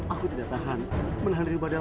agar kamu bisa mencari saya